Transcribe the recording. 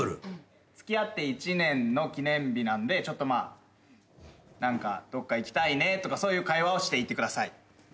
付き合って１年の記念日なんでちょっとまあ何かどっか行きたいねとかそういう会話をしていてください。